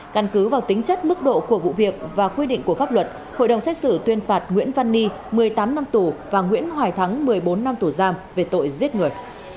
căn cứ vào tính chất mức độ của vụ việc và quy định của pháp luật hội đồng xét xử tuyên phạt nguyễn văn ni một mươi tám năm tù và nguyễn hoài thắng một mươi bốn năm tù giam về tội giết người